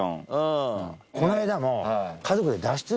この間も。